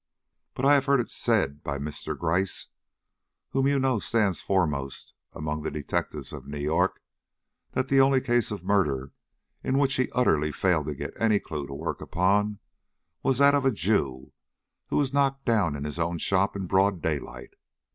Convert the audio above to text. But I have heard it said by Mr. Gryce, who you know stands foremost among the detectives of New York, that the only case of murder in which he utterly failed to get any clue to work upon, was that of a Jew who was knocked down in his own shop in broad daylight.